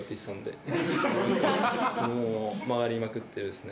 もう曲がりまくってるんですね。